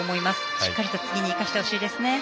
しっかりと次に生かしてほしいですね。